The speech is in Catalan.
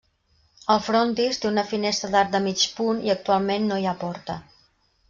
El frontis té una finestra d'arc de mig punt i actualment no hi ha porta.